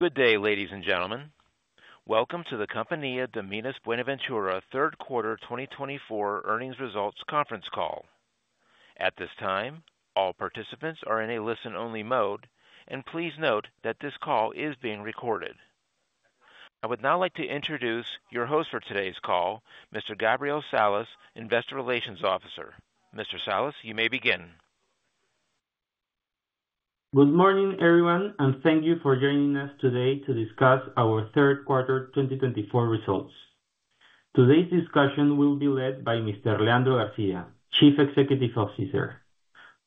Good day, ladies and gentlemen. Welcome to the Compañía de Minas Buenaventura Q3 2024 Earnings Results Conference Call. At this time, all participants are in a listen-only mode, and please note that this call is being recorded. I would now like to introduce your host for today's call, Mr. Gabriel Salas, Investor Relations Officer. Mr. Salas, you may begin. Good morning, everyone, and thank you for joining us today to discuss our Q3 2024 results. Today's discussion will be led by Mr. Leandro García, Chief Executive Officer.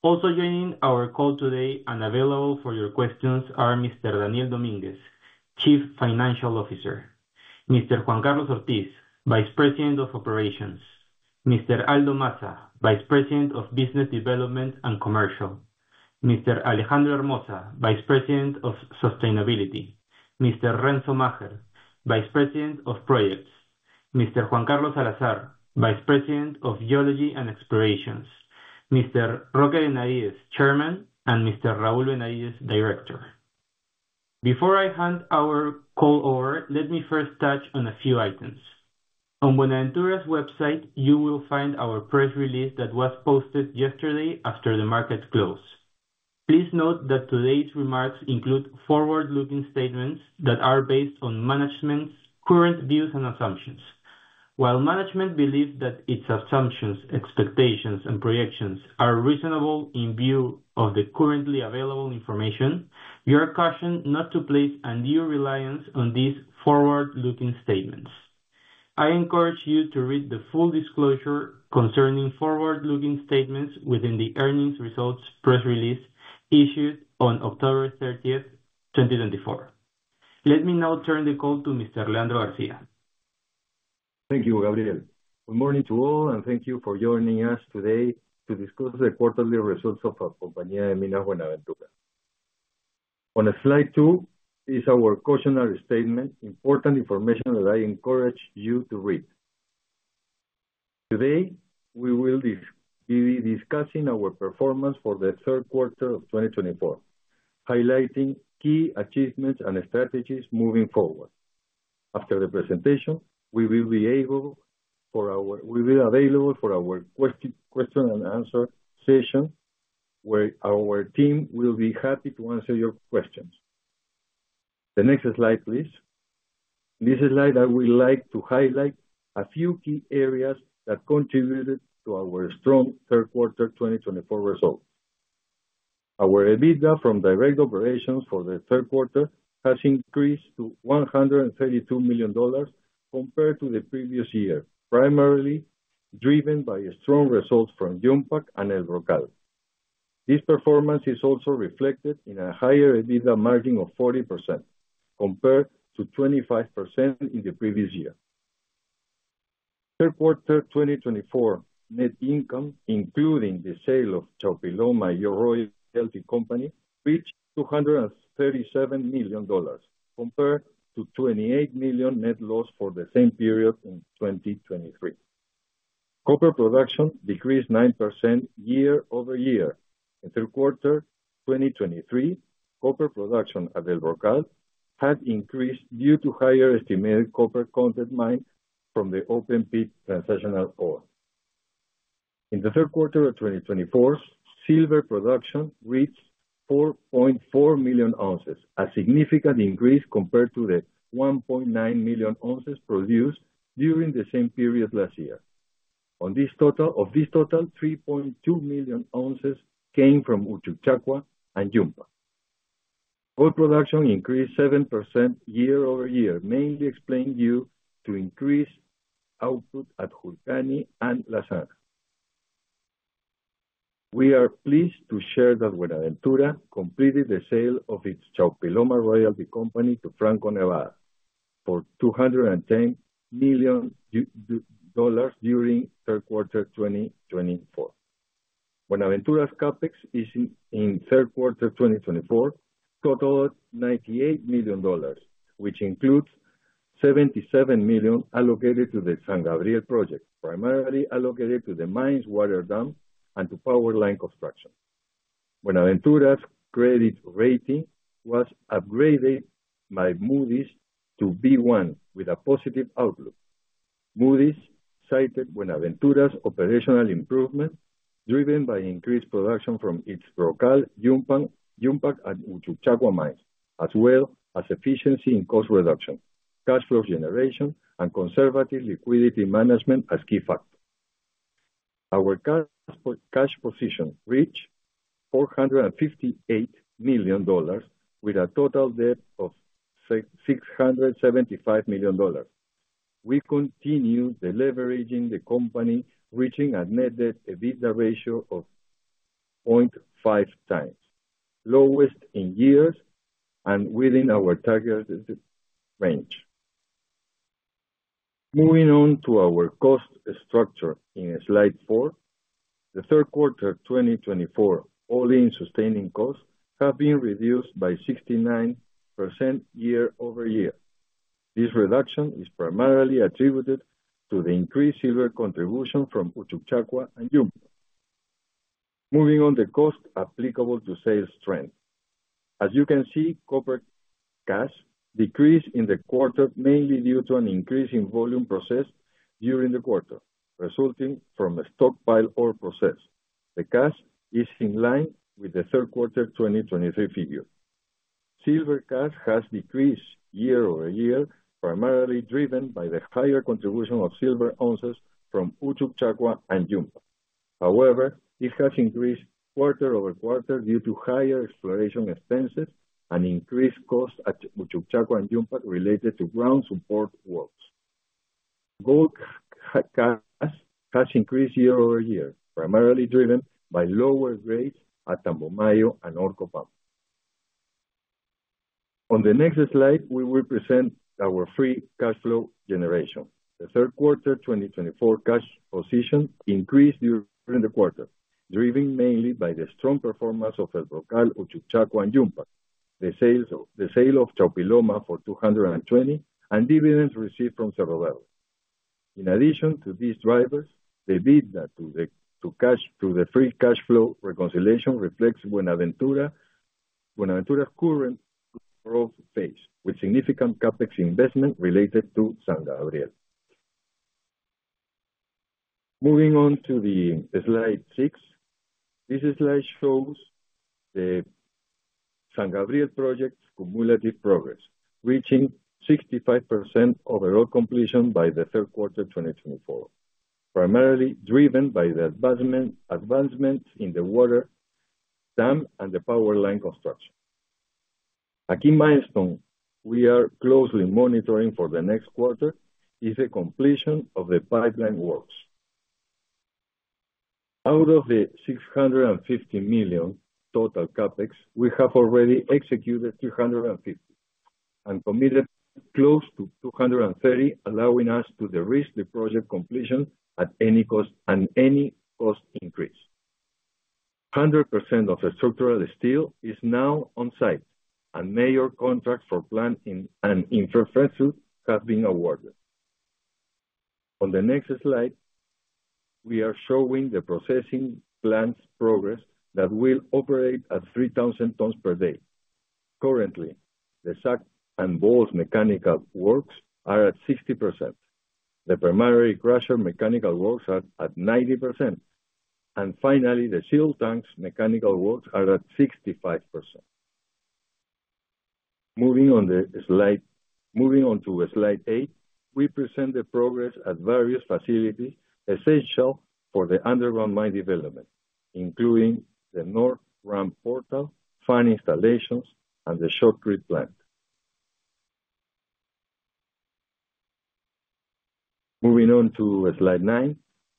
Also joining our call today and available for your questions are Mr. Daniel Domínguez, Chief Financial Officer, Mr. Juan Carlos Ortiz, Vice President of Operations, Mr. Aldo Massa, Vice President of Business Development and Commercial, Mr. Alejandro Hermosa, Vice President of Sustainability, Mr. Renzo Macher, Vice President of Projects, Mr. Juan Carlos Salazar, Vice President of Geology and Explorations, Mr. Roque Benavides, Chairman, and Mr. Raúl Benavides, Director. Before I hand our call over, let me first touch on a few items. On Buenaventura's website, you will find our press release that was posted yesterday after the market closed. Please note that today's remarks include forward-looking statements that are based on management's current views and assumptions. While management believes that its assumptions, expectations, and projections are reasonable in view of the currently available information, we are cautioned not to place any reliance on these forward-looking statements. I encourage you to read the full disclosure concerning forward-looking statements within the earnings results press release issued on October 30, 2024. Let me now turn the call to Mr. Leandro García. Thank you, Gabriel. Good morning to all, and thank you for joining us today to discuss the quarterly results of Compañía de Minas Buenaventura. On slide two is our cautionary statement, important information that I encourage you to read. Today, we will be discussing our performance for the Q3 of 2024, highlighting key achievements and strategies moving forward. After the presentation, we will be available for our question and answer session, where our team will be happy to answer your questions. The next slide, please. In this slide, I would like to highlight a few key areas that contributed to our strong Q3 2024 results. Our EBITDA from direct operations for the Q3 has increased to $132 million compared to the previous year, primarily driven by strong results from Yumpag and El Brocal. This performance is also reflected in a higher EBITDA margin of 40% compared to 25% in the previous year. Q3 2024 net income, including the sale of Chaupiloma Dos de Mayo Royalty Company, reached $237 million compared to $28 million net loss for the same period in 2023. Copper production decreased 9% year over year. In Q3 2023, copper production at El Brocal had increased due to higher estimated copper content mined from the open pit transactional ore. In the Q3 of 2024, silver production reached 4.4 million ounces, a significant increase compared to the 1.9 million ounces produced during the same period last year. Of this total, 3.2 million ounces came from Uchucchacua and Yumpag. Gold production increased 7% year over year, mainly explained due to increased output at Julcani and La Zanja. We are pleased to share that Buenaventura completed the sale of its Compañía Minera Chaupiloma Dos de Mayo S.A.A. to Franco-Nevada for $210 million during Q3 2024. Buenaventura's CapEx in Q3 2024 totaled $98 million, which includes $77 million allocated to the San Gabriel project, primarily allocated to the mines' water dump and to power line construction. Buenaventura's credit rating was upgraded by Moody's to B1 with a positive outlook. Moody's cited Buenaventura's operational improvement driven by increased production from its El Brocal, Yumpag, and Uchucchacua mines, as well as efficiency in cost reduction, cash flow generation, and conservative liquidity management as key factors. Our cash position reached $458 million with a total debt of $675 million. We continue leveraging the company, reaching a net debt/EBITDA ratio of 0.5 times, lowest in years and within our target range. Moving on to our cost structure in slide four, the Q3 2024 all-in sustaining costs have been reduced by 69% year over year. This reduction is primarily attributed to the increased silver contribution from Uchucchacua and Yumpag. Moving on to costs applicable to sales. As you can see, copper cash costs decreased in the quarter mainly due to an increase in volume processed during the quarter, resulting from stockpile processing. The cash costs are in line with the Q3 2023 figure. Silver cash costs have decreased year over year, primarily driven by the higher contribution of silver ounces from Uchucchacua and Yumpag. However, it has increased quarter-over-quarter due to higher exploration expenses and increased costs at Uchucchacua and Yumpag related to ground support works. Gold cash costs have increased year over year, primarily driven by lower grades at Tambomayo and Orcopampa. On the next slide, we will present our free cash flow generation. The Q3 2024 cash position increased during the quarter, driven mainly by the strong performance of El Brocal, Uchucchacua, and Yumpag, the sale of Chaupiloma Dos de Mayo for $220, and dividends received from Cerro Verde. In addition to these drivers, the EBITDA to cash through the free cash flow reconciliation reflects Buenaventura's current growth phase with significant CapEx investment related to San Gabriel. Moving on to slide six, this slide shows the San Gabriel Project's cumulative progress, reaching 65% overall completion by the Q3 2024, primarily driven by the advancements in the water dam and the power line construction. A key milestone we are closely monitoring for the next quarter is the completion of the pipeline works. Out of the $650 million total CapEx, we have already executed $350 and committed close to $230, allowing us to risk the project completion at any cost and any cost increase. 100% of the structural steel is now on site, and major contracts for plant and infrastructure have been awarded. On the next slide, we are showing the processing plant's progress that will operate at 3,000 tons per day. Currently, the SAG mill and ball mill mechanical works are at 60%. The primary crusher mechanical works are at 90%. And finally, the CIL tanks mechanical works are at 65%. Moving on to slide eight, we present the progress at various facilities essential for the underground mine development, including the North Ramp Portal, fine installations, and the shotcrete plant. Moving on to slide nine,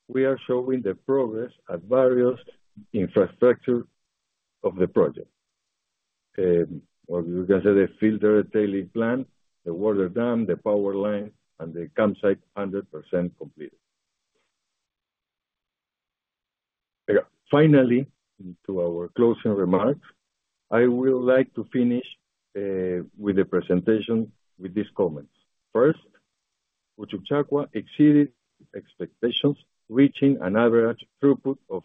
we are showing the progress at various infrastructure of the project. We can say the filter tailing plant, the water dam, the power line, and the campsite 100% completed. Finally, to our closing remarks, I would like to finish with the presentation with these comments. First, Uchucchacua exceeded expectations, reaching an average throughput of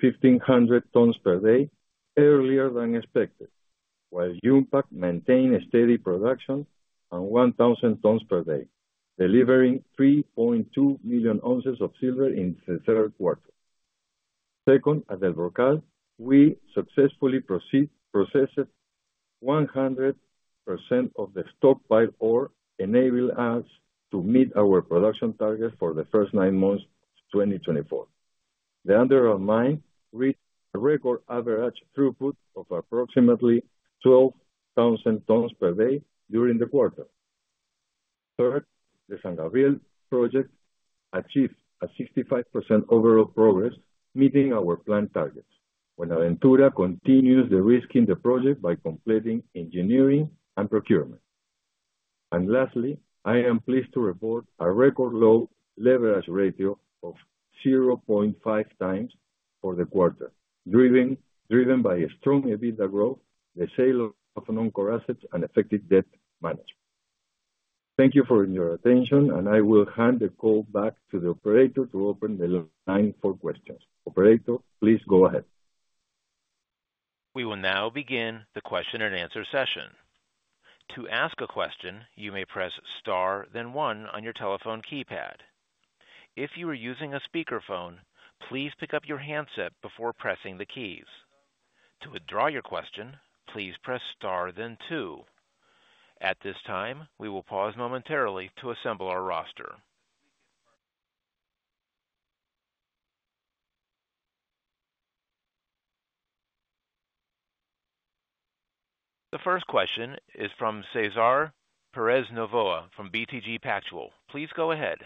1,500 tons per day earlier than expected, while Yumpag maintained steady production on 1,000 tons per day, delivering 3.2 million ounces of silver in the Q3. Second, at El Brocal, we successfully processed 100% of the stockpile ore, enabling us to meet our production targets for the first nine months of 2024. The underground mine reached a record average throughput of approximately 12,000 tons per day during the quarter. Third, the San Gabriel Project achieved a 65% overall progress, meeting our plant targets. Buenaventura continues the risk in the project by completing engineering and procurement. Lastly, I am pleased to report a record low leverage ratio of 0.5 times for the quarter, driven by strong EBITDA growth, the sale of non-core assets, and effective debt management. Thank you for your attention, and I will hand the call back to the operator to open the line for questions. Operator, please go ahead. We will now begin the question and answer session. To ask a question, you may press star, then one on your telephone keypad. If you are using a speakerphone, please pick up your handset before pressing the keys. To withdraw your question, please press star, then two. At this time, we will pause momentarily to assemble our roster. The first question is from Cesar Perez Novoa from BTG Pactual. Please go ahead.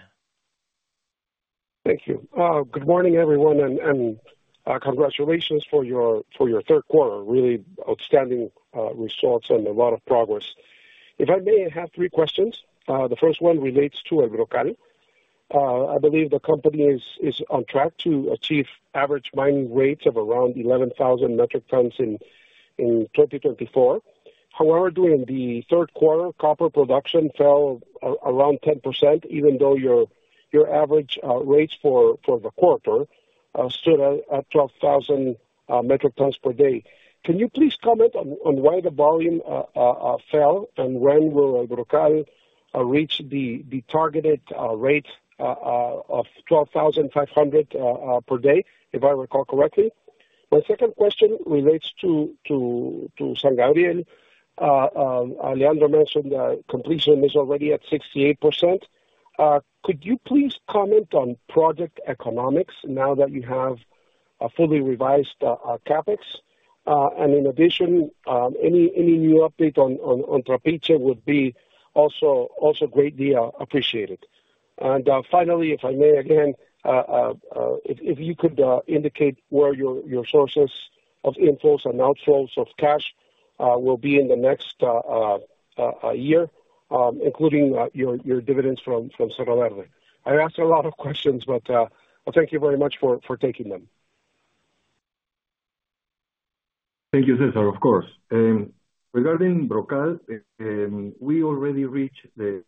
Thank you. Good morning, everyone, and congratulations for your Q3, really outstanding results and a lot of progress. If I may, I have three questions. The first one relates to El Brocal. I believe the company is on track to achieve average mining rates of around 11,000 metric tons in 2024. However, during the Q3, copper production fell around 10%, even though your average rates for the quarter stood at 12,000 metric tons per day. Can you please comment on why the volume fell and when will El Brocal reach the targeted rate of 12,500 per day, if I recall correctly? My second question relates to San Gabriel. Leandro mentioned that completion is already at 68%. Could you please comment on project economics now that you have fully revised CapEx? And in addition, any new update on Trapiche would be also greatly appreciated. And finally, if I may, again, if you could indicate where your sources of inflows and outflows of cash will be in the next year, including your dividends from Cerro Verde. I asked a lot of questions, but thank you very much for taking them. Thank you, Cesar, of course. Regarding El Brocal, we already reached the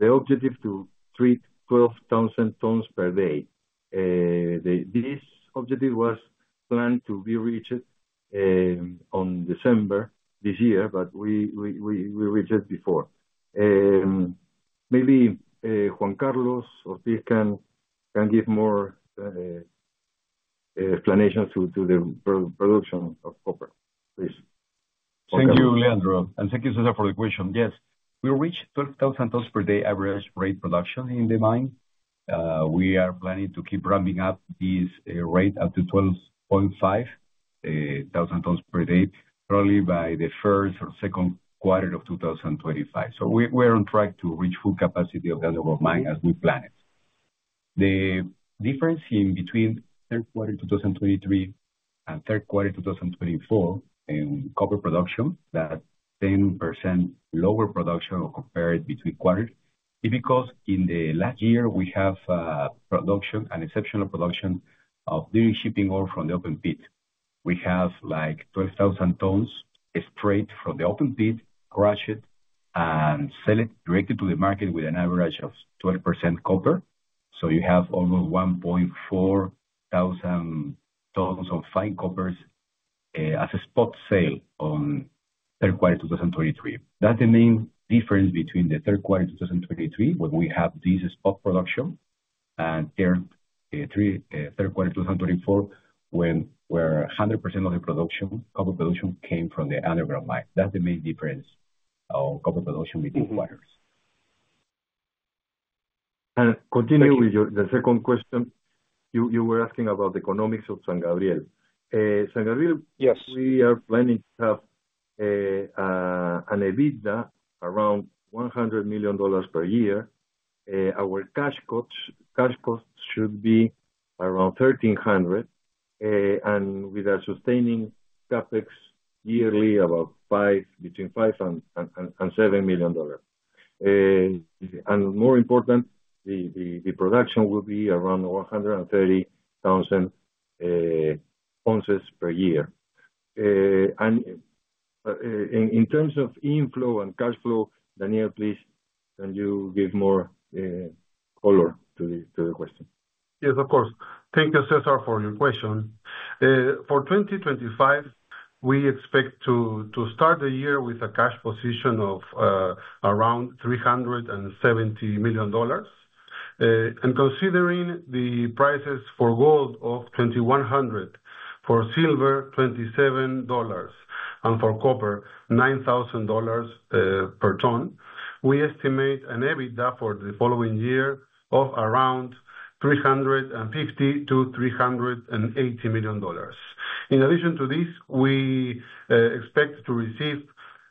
objective to treat 12,000 tons per day. This objective was planned to be reached on December this year, but we reached it before. Maybe Juan Carlos Ortiz can give more explanations to the production of copper, please. Thank you, Leandro, and thank you, Cesar, for the question. Yes, we reached 12,000 tons per day average rate production in the mine. We are planning to keep ramping up this rate up to 12.5 thousand tons per day, probably by the first or Q2 of 2025. So we are on track to reach full capacity of the underground mine as we plan it. The difference in between Q3 2023 and Q3 2024 in copper production, that 10% lower production compared between quarters, is because in the last year, we have production and exceptional production of during shipping ore from the open pit. We have like 12,000 tons straight from the open pit, crush it, and sell it directly to the market with an average of 12% copper. So you have almost 1.4 thousand tons of fine coppers as a spot sale on Q3 2023. That's the main difference between the Q3 2023, when we have this spot production, and Q3 2024, when 100% of the copper production came from the underground mine. That's the main difference of copper production between quarters. Continuing with the second question, you were asking about the economics of San Gabriel. San Gabriel, we are planning to have an EBITDA around $100 million per year. Our cash costs should be around $1,300, and with a sustaining CapEx yearly about between $5 and $7 million. And more important, the production will be around 130,000 ounces per year. And in terms of inflow and cash flow, Daniel, please, can you give more color to the question? Yes, of course. Thank you, Cesar, for your question. For 2025, we expect to start the year with a cash position of around $370 million, and considering the prices for gold of $2,100, for silver $27, and for copper, $9,000 per ton, we estimate an EBITDA for the following year of around $350-$380 million. In addition to this, we expect to receive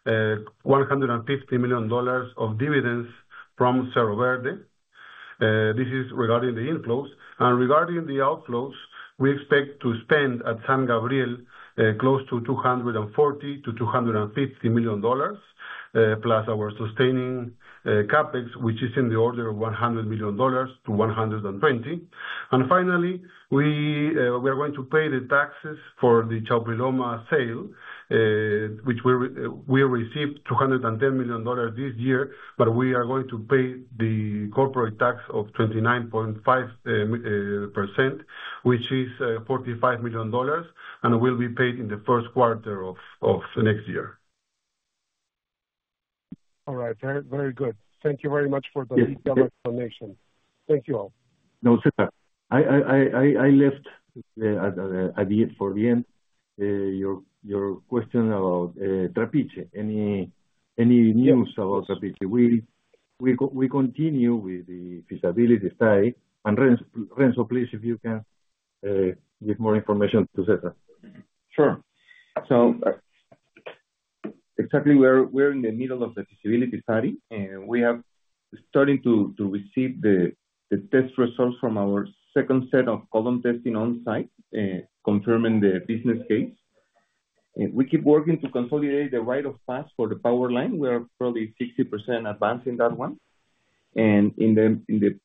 $150 million of dividends from Cerro Verde. This is regarding the inflows, and regarding the outflows, we expect to spend at San Gabriel close to $240-$250 million, plus our sustaining CapEx, which is in the order of $100-$120 million. Finally, we are going to pay the taxes for the Chaupiloma sale, which we received $210 million this year, but we are going to pay the corporate tax of 29.5%, which is $45 million, and will be paid in the Q1of next year. All right. Very good. Thank you very much for the detailed explanation. Thank you all. No, Cesar, I left for the end your question about Trapiche. Any news about Trapiche? We continue with the feasibility study, and Renzo, please, if you can give more information to Cesar. Sure. So exactly, we're in the middle of the feasibility study. We are starting to receive the test results from our second set of column testing on-site, confirming the business case. We keep working to consolidate the right-of-way for the power line. We are probably 60% advanced in that one. And in the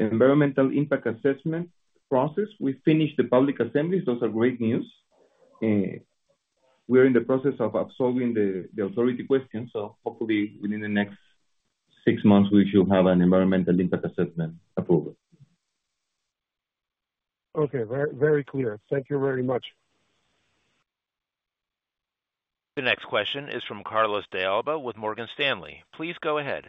environmental impact assessment process, we finished the public assemblies. Those are great news. We are in the process of resolving the authority questions. So hopefully, within the next six months, we should have an environmental impact assessment approval. Okay. Very clear. Thank you very much. The next question is from Carlos De Alba with Morgan Stanley. Please go ahead.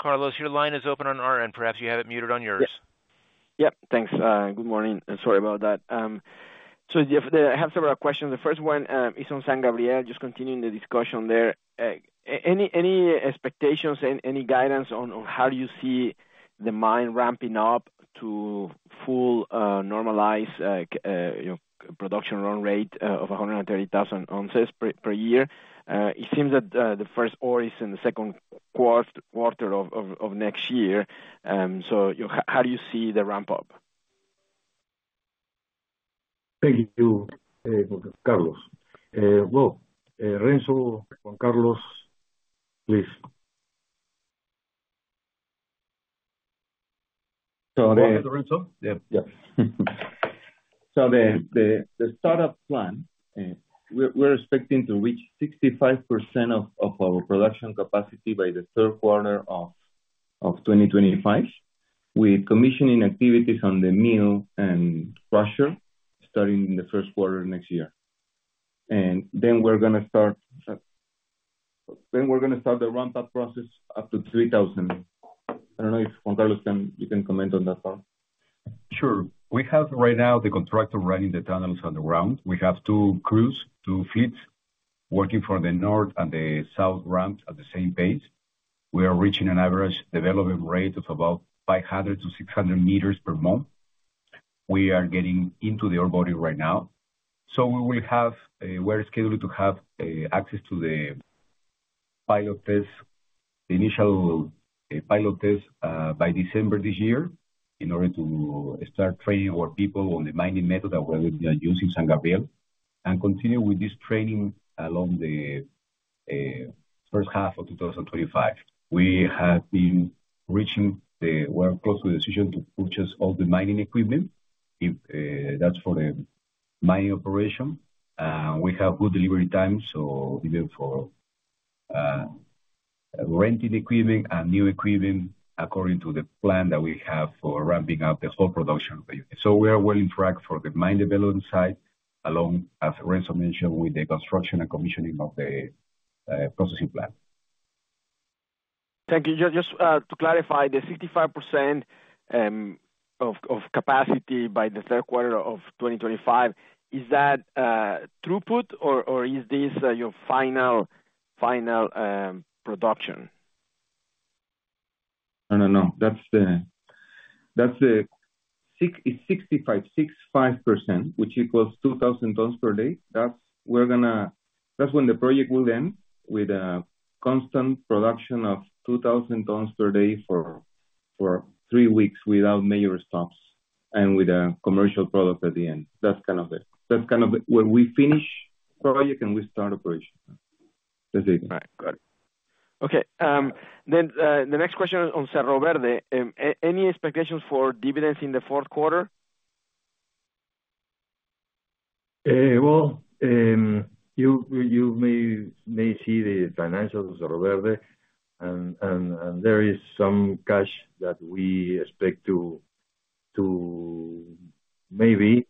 Carlos, your line is open on our end. Perhaps you have it muted on yours. Yep. Thanks. Good morning. Sorry about that. So I have several questions. The first one is on San Gabriel, just continuing the discussion there. Any expectations, any guidance on how do you see the mine ramping up to full normalized production run rate of 130,000 ounces per year? It seems that the first ore is in the Q2 of next year. So how do you see the ramp-up? Thank you, Carlos. Well, Renzo, Juan Carlos, please. Sorry. Go ahead, Renzo. Yep, so the startup plan, we're expecting to reach 65% of our production capacity by the Q3 of 2025, with commissioning activities on the mill and crusher starting in the Q1 next year, and then we're going to start the ramp-up process up to 3,000. I don't know if Juan Carlos, you can comment on that part. Sure. We have right now the contractor running the tunnels on the ground. We have two crews, two fleets working for the north and the south ramps at the same pace. We are reaching an average development rate of about 500-600 meters per month. We are getting into the ore body right now. So we are scheduled to have access to the pilot test, the initial pilot test by December this year in order to start training our people on the mining method that we are using San Gabriel and continue with this training along the first half of 2025. We are close to the decision to purchase all the mining equipment. That's for the mining operation. We have good delivery times, so even for renting equipment and new equipment according to the plan that we have for ramping up the whole production of the unit, so we are well on track for the mine development side, along, as Renzo mentioned, with the construction and commissioning of the processing plant. Thank you. Just to clarify, the 65% of capacity by the Q3 of 2025, is that throughput, or is this your final production? No, no, no. That's the 65%, which equals 2,000 tons per day. That's when the project will end with a constant production of 2,000 tons per day for three weeks without major stops and with a commercial product at the end. That's kind of where we finish project and we start operation. That's it. All right. Got it. Okay. Then the next question on Cerro Verde. Any expectations for dividends in the Q4? You may see the financials of Cerro Verde, and there is some cash that we expect to maybe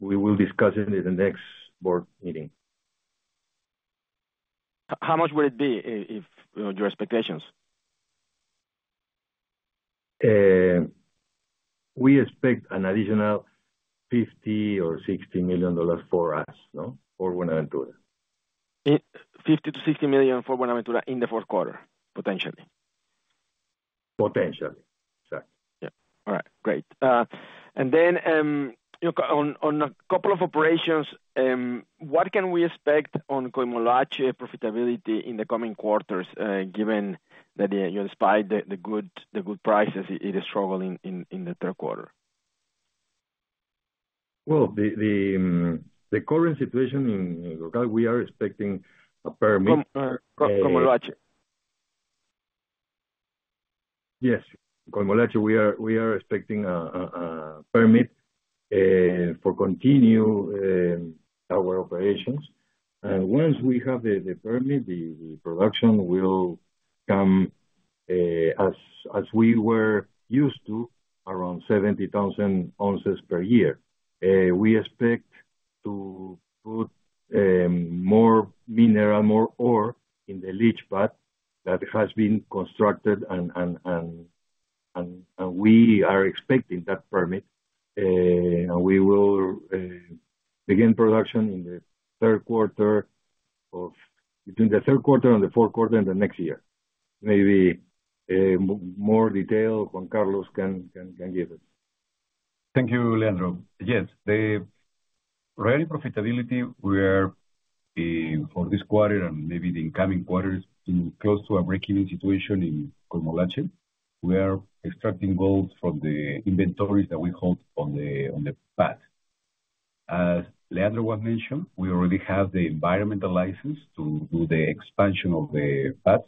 we will discuss in the next board meeting. How much would it be, your expectations? We expect an additional $50 or $60 million for us, for Buenaventura. $50-$60 million for Buenaventura in the Q4, potentially? Potentially. Exactly. Yeah. All right. Great. And then on a couple of operations, what can we expect on Coimolache profitability in the coming quarters, given that despite the good prices, it is struggling in the Q3? The current situation in El Brocal, we are expecting a permit. Comolache? Yes. Coimolache, we are expecting a permit for continuing our operations. And once we have the permit, the production will come as we were used to, around 70,000 ounces per year. We expect to put more mineral, more ore in the leach pad that has been constructed, and we are expecting that permit. And we will begin production in the Qq3 of between the Q3 and the Q4 in the next year. Maybe more detail, Juan Carlos can give it. Thank you, Leandro. Yes. Our profitability for this quarter and maybe the incoming quarter is close to a break-even situation in Coimolache. We are extracting gold from the inventories that we hold on the pad. As Leandro was mentioning, we already have the environmental license to do the expansion of the pads.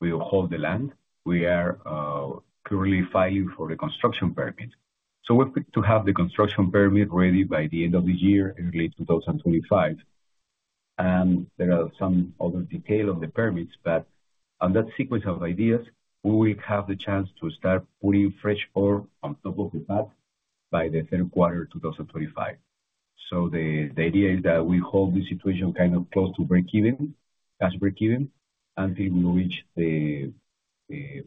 We will hold the land. We are currently filing for the construction permit, so we're fit to have the construction permit ready by the end of this year, early 2025, and there are some other details on the permits, but on that sequence of ideas, we will have the chance to start putting fresh ore on top of the pad by the Q3 of 2025, so the idea is that we hold this situation kind of close to break-even, cash break-even, until we reach the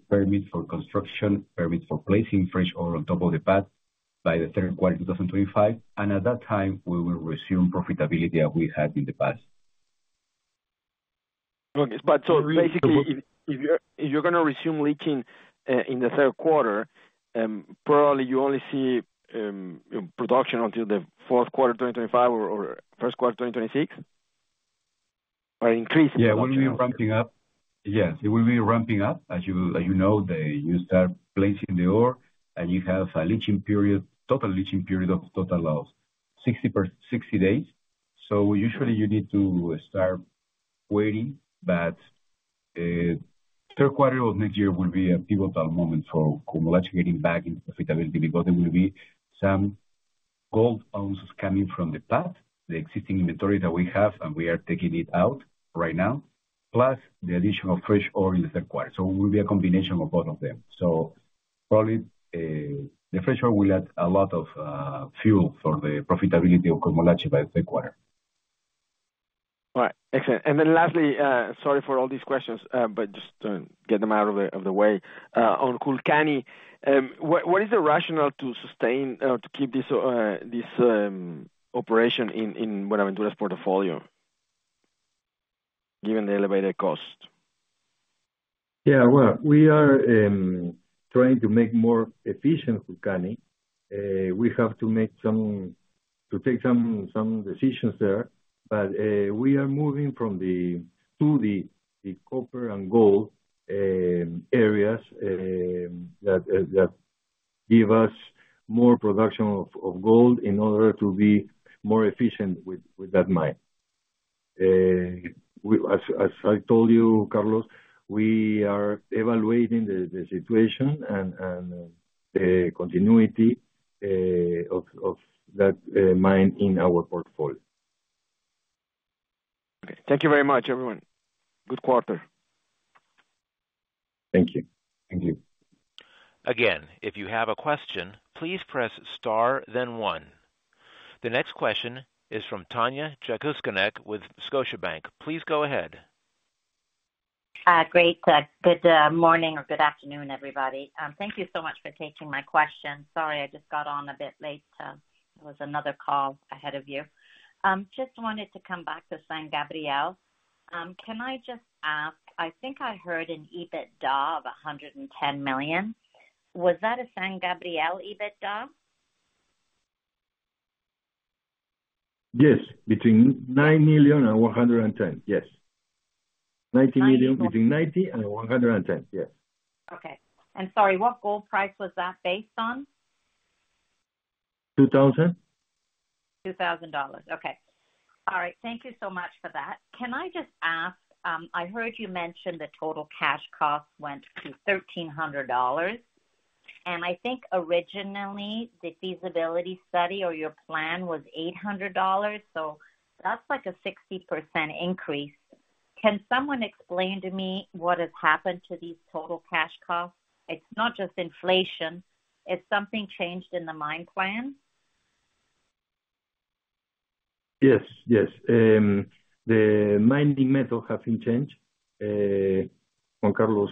permit for construction, permit for placing fresh ore on top of the pad by the Q3 of 2025, and at that time, we will resume profitability that we had in the past. But so basically, if you're going to resume leaching in the Q3, probably you only see production until the Q4 of 2025 or Q1 of 2026, or increase? Yeah. It will be ramping up. Yes. It will be ramping up. As you know, you start placing the ore, and you have a leaching period, total leaching period of total loss, 60 days. So usually, you need to start waiting, but Q3 of next year will be a pivotal moment for Coimolache getting back into profitability because there will be some gold ounces coming from the pad, the existing inventory that we have, and we are taking it out right now, plus the addition of fresh ore in the Q3. So it will be a combination of both of them. So probably the fresh ore will add a lot of fuel for the profitability of Coimolache by the Q3. All right. Excellent. And then lastly, sorry for all these questions, but just to get them out of the way, on Julcani, what is the rationale to sustain or to keep this operation in Buenaventura's portfolio, given the elevated cost? Yeah. Well, we are trying to make more efficient Julcani. We have to take some decisions there, but we are moving from the copper and gold areas that give us more production of gold in order to be more efficient with that mine. As I told you, Carlos, we are evaluating the situation and the continuity of that mine in our portfolio. Okay. Thank you very much, everyone. Good quarter. Thank you. Thank you. Again, if you have a question, please press star, then one. The next question is from Tanya Jakusconek with Scotiabank. Please go ahead. Great. Good morning or good afternoon, everybody. Thank you so much for taking my question. Sorry, I just got on a bit late. There was another call ahead of you. Just wanted to come back to San Gabriel. Can I just ask? I think I heard an EBITDA of 110 million. Was that a San Gabriel EBITDA? Yes. Between $90 million and $110 million. Yes. $90 million between $90 and $110 million. Yes. Okay, and sorry, what gold price was that based on? 2,000. $2,000. Okay. All right. Thank you so much for that. Can I just ask? I heard you mentioned the total cash cost went to $1,300. And I think originally the feasibility study or your plan was $800. So that's like a 60% increase. Can someone explain to me what has happened to these total cash costs? It's not just inflation. It's something changed in the mine plan? Yes. Yes. The mining method has been changed. Juan Carlos,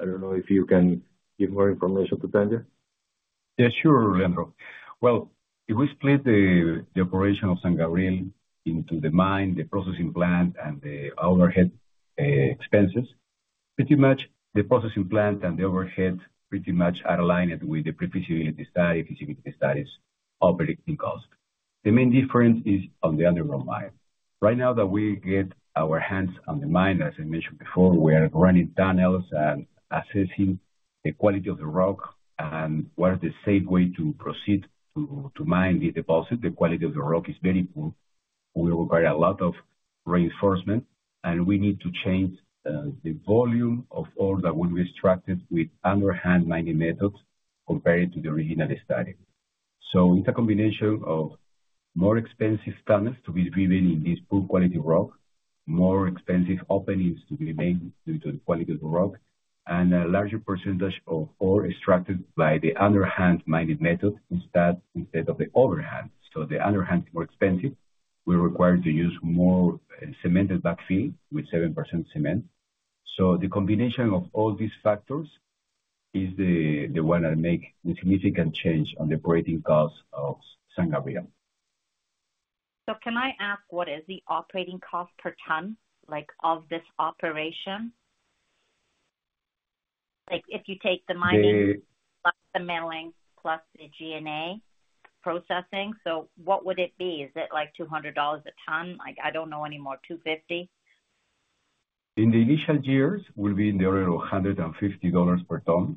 I don't know if you can give more information to Tanya. Yeah. Sure, Leandro. Well, if we split the operation of San Gabriel into the mine, the processing plant, and the overhead expenses, pretty much the processing plant and the overhead pretty much are aligned with the feasibility study, feasibility studies, operating costs. The main difference is on the underground mine. Right now that we get our hands on the mine, as I mentioned before, we are running tunnels and assessing the quality of the rock, and what is the safe way to proceed to mine the deposit? The quality of the rock is very poor. We require a lot of reinforcement, and we need to change the volume of ore that will be extracted with underhand mining methods compared to the original study. So it's a combination of more expensive tunnels to be driven in this poor quality rock, more expensive openings to be made due to the quality of the rock, and a larger percentage of ore extracted by the underhand mining method instead of the overhand. So the underhand is more expensive. We're required to use more cemented backfill with 7% cement. So the combination of all these factors is the one that makes the significant change on the operating costs of San Gabriel. So can I ask what is the operating cost per ton of this operation? If you take the mining plus the milling plus the G&A processing, so what would it be? Is it like $200 a ton? I don't know anymore. $250? In the initial years, it will be in the order of $150 per ton,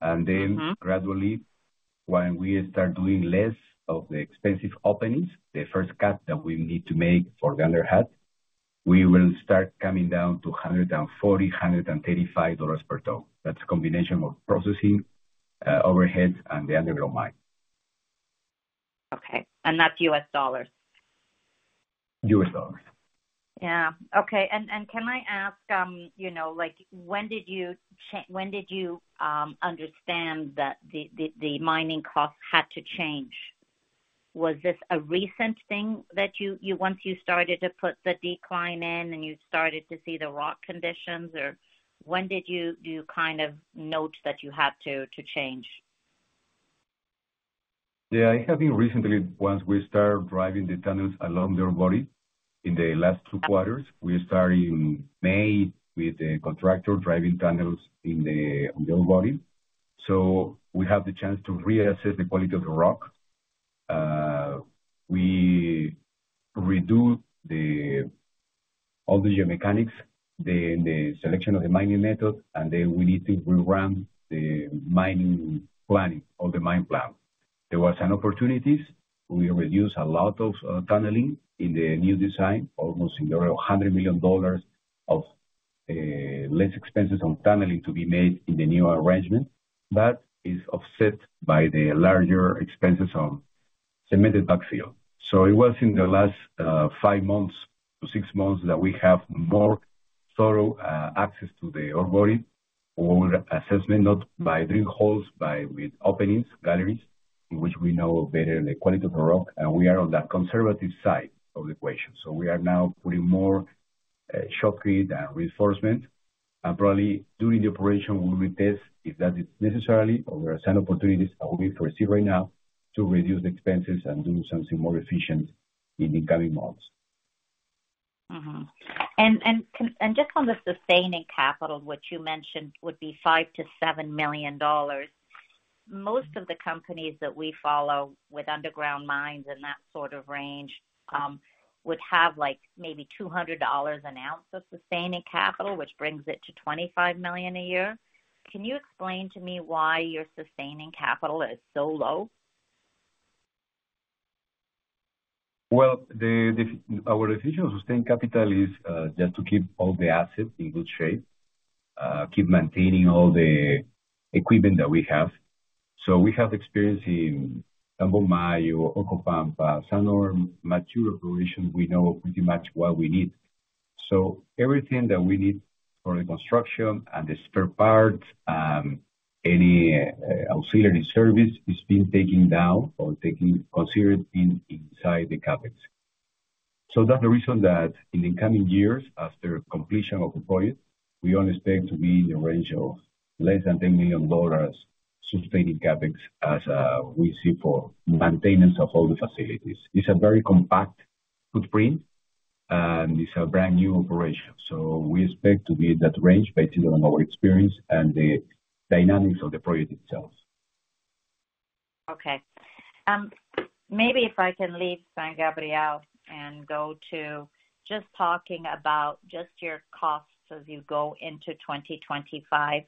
and then gradually, when we start doing less of the expensive openings, the first cut that we need to make for the underhand, we will start coming down to $140, $135 per ton. That's a combination of processing, overhead, and the underground mine. Okay. And that's U.S. dollars? US dollars. Yeah. Okay. And can I ask, when did you understand that the mining costs had to change? Was this a recent thing that once you started to put the decline in and you started to see the rock conditions, or when did you kind of note that you had to change? Yeah. It happened recently once we started driving the tunnels along the ore body. In the last two quarters, we started in May with the contractor driving tunnels in the ore body. So we had the chance to reassess the quality of the rock. We redo all the geomechanics, then the selection of the mining method, and then we need to rerun the mining planning, all the mine plan. There were some opportunities. We reduced a lot of tunneling in the new design, almost in the order of $100 million of less expenses on tunneling to be made in the new arrangement. That is offset by the larger expenses on cemented backfill. So it was in the last five months to six months that we have more thorough access to the ore body, or assessment not by drill holes, but with openings, galleries, in which we know better the quality of the rock. And we are on that conservative side of the equation. So we are now putting more shock feed and reinforcement. And probably during the operation, we will test if that is necessary, or there are some opportunities that we foresee right now to reduce the expenses and do something more efficient in the coming months. And just on the sustaining capital, which you mentioned would be $5-$7 million. Most of the companies that we follow with underground mines and that sort of range would have maybe $200 an ounce of sustaining capital, which brings it to $25 million a year. Can you explain to me why your sustaining capital is so low? Our decision on sustaining capital is just to keep all the assets in good shape, keep maintaining all the equipment that we have. So we have experience in Tambomayo, Orcopampa, San Gabriel, mature operations. We know pretty much what we need. So everything that we need for the construction and the spare parts, any auxiliary service is being taken down or considered inside the CapEx. So that's the reason that in the coming years, after completion of the project, we only expect to be in the range of less than $10 million sustaining CapEx as we see for maintenance of all the facilities. It's a very compact footprint, and it's a brand new operation. So we expect to be in that range based on our experience and the dynamics of the project itself. Okay. Maybe if I can leave San Gabriel and go to just talking about just your costs as you go into 2025.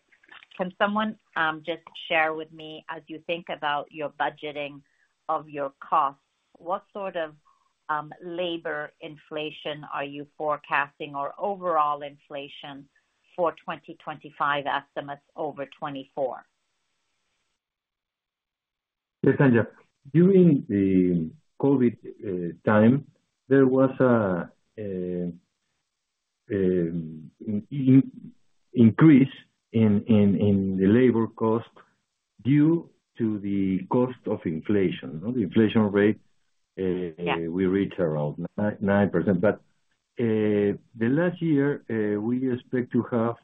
Can someone just share with me, as you think about your budgeting of your costs, what sort of labor inflation are you forecasting or overall inflation for 2025 estimates over 2024? Yes, Tanya. During the COVID time, there was an increase in the labor cost due to the cost of inflation. The inflation rate we reached around 9%. But the last year, we expect to have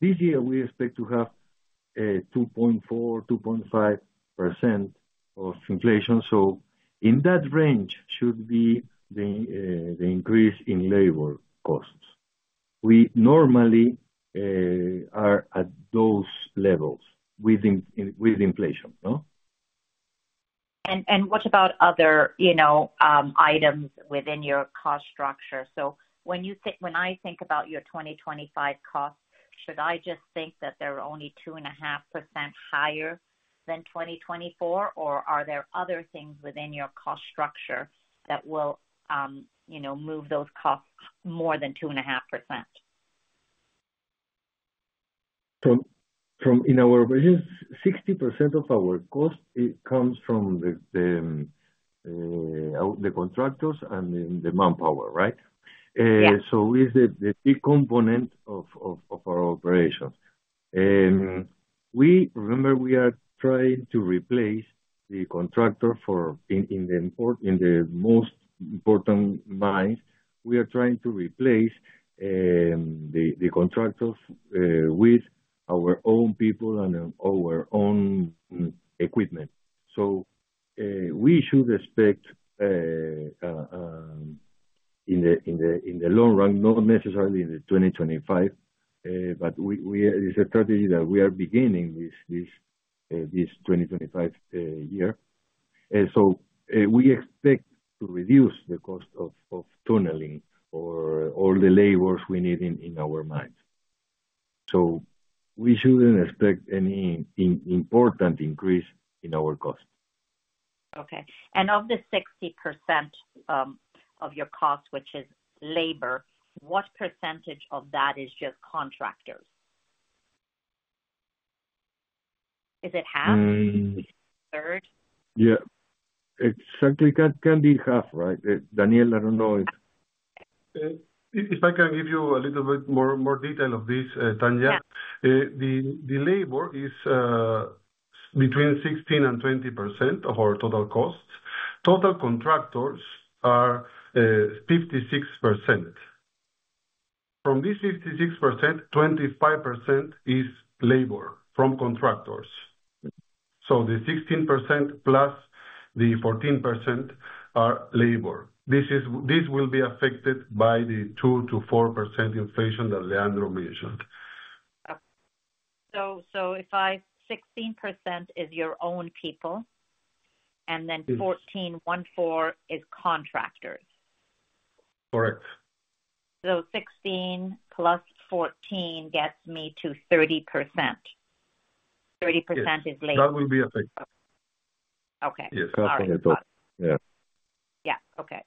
this year 2.4%-2.5% of inflation. So in that range should be the increase in labor costs. We normally are at those levels with inflation. And what about other items within your cost structure? So when I think about your 2025 costs, should I just think that they're only 2.5% higher than 2024, or are there other things within your cost structure that will move those costs more than 2.5%? In our operations, 60% of our cost comes from the contractors and the manpower, right? So it's the key component of our operations. Remember, we are trying to replace the contractor in the most important mines. We are trying to replace the contractors with our own people and our own equipment. So we should expect in the long run, not necessarily in the 2025, but it's a strategy that we are beginning this 2025 year. So we expect to reduce the cost of tunneling or all the labor we need in our mines. So we shouldn't expect any important increase in our cost. Okay. And of the 60% of your cost, which is labor, what percentage of that is just contractors? Is it half? Is it a third? Yeah. Exactly. That can be half, right? Daniel, I don't know if. If I can give you a little bit more detail of this, Tanya. Yeah. The labor is between 16%-20% of our total costs. Total contractors are 56%. From this 56%, 25% is labor from contractors. So the 16% plus the 14% are labor. This will be affected by the 2%-4% inflation that Leandro mentioned. So if 16% is your own people and then 14% is contractors? Correct. So 16 plus 14 gets me to 30%. 30% is labor. That will be affected. Okay. All right. Yes. That's correct. Yeah. Yeah. Okay.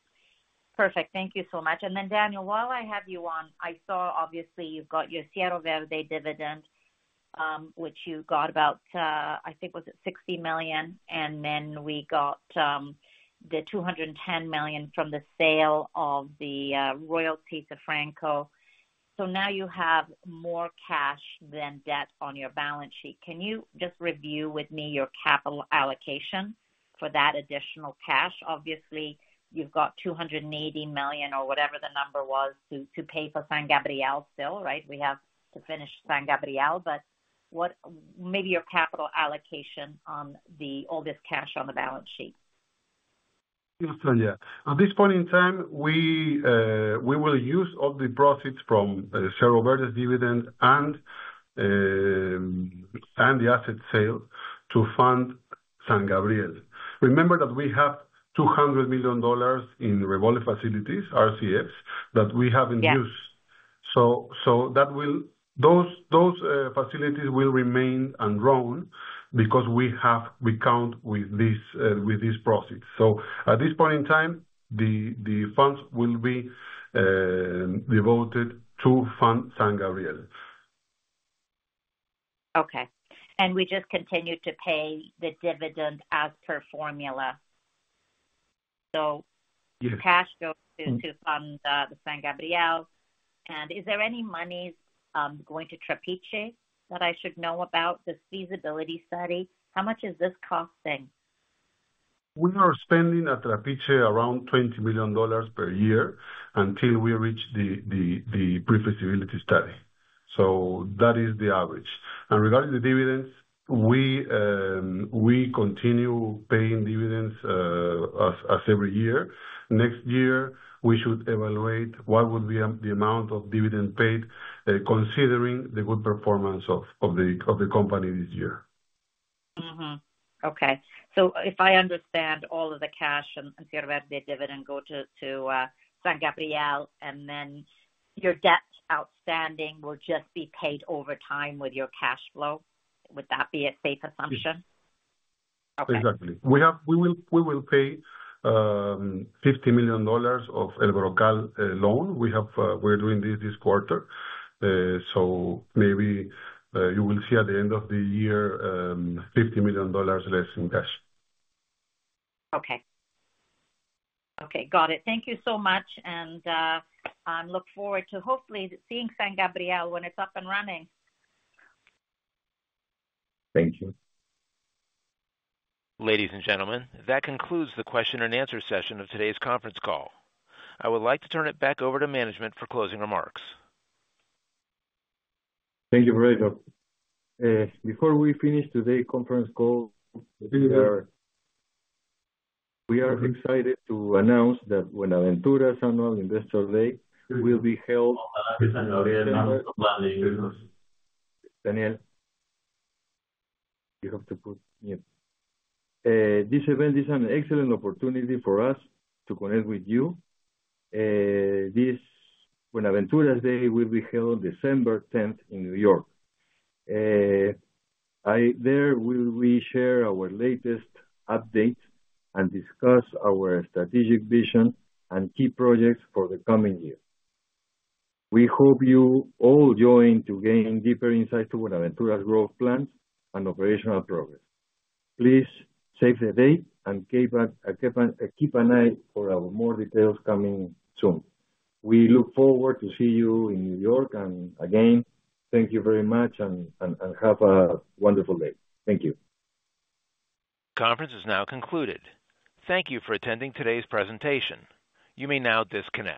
Perfect. Thank you so much, and then, Daniel, while I have you on, I saw obviously you've got your Cerro Verde dividend, which you got about, I think, was it $60 million. And then we got the $210 million from the sale of the royalties to Franco-Nevada. So now you have more cash than debt on your balance sheet. Can you just review with me your capital allocation for that additional cash? Obviously, you've got $280 million or whatever the number was to pay for San Gabriel still, right? We have to finish San Gabriel, but maybe your capital allocation on all this cash on the balance sheet. Yes, Tanya. At this point in time, we will use all the profits from Cerro Verde dividend and the asset sale to fund San Gabriel. Remember that we have $200 million in revolving facilities, RCFs, that we haven't used. So those facilities will remain and run because we count with these profits. So at this point in time, the funds will be devoted to fund San Gabriel. Okay. And we just continue to pay the dividend as per formula? So cash goes to fund the San Gabriel. And is there any money going to Trapiche that I should know about this feasibility study? How much is this costing? We are spending at Trapiche around $20 million per year until we reach the pre-feasibility study. So that is the average. And regarding the dividends, we continue paying dividends as every year. Next year, we should evaluate what would be the amount of dividend paid considering the good performance of the company this year. Okay. So if I understand, all of the cash and Cerro Verde dividend go to San Gabriel, and then your debt outstanding will just be paid over time with your cash flow. Would that be a safe assumption? Exactly. We will pay $50 million of El Brocal loan. We are doing this this quarter. So maybe you will see at the end of the year, $50 million less in cash. Okay. Okay. Got it. Thank you so much, and I look forward to hopefully seeing San Gabriel when it's up and running. Thank you. Ladies and gentlemen, that concludes the question and answer session of today's conference call. I would like to turn it back over to management for closing remarks. Thank you very much. Before we finish today's conference call, we are excited to announce that Buenaventura's Annual Investor Day will be held. This event is an excellent opportunity for us to connect with you. This Buenaventura's Day will be held on December 10th in New York. There we will share our latest updates and discuss our strategic vision and key projects for the coming year. We hope you all join to gain deeper insight into Buenaventura's growth plans and operational progress. Please save the date and keep an eye for more details coming soon. We look forward to seeing you in New York, and again, thank you very much and have a wonderful day. Thank you. The conference is now concluded. Thank you for attending today's presentation. You may now disconnect.